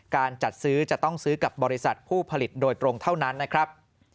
การจัดซื้อจะต้องซื้อกับบริษัทผู้ผลิตโดยตรงเท่านั้นนะครับ